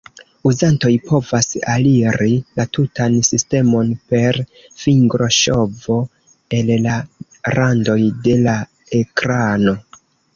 Uzantoj povas aliri la tutan sistemon per fingro-ŝovo el la randoj de la ekrano.